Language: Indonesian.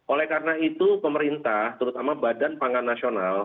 oleh karena itu pemerintah terutama badan pangan nasional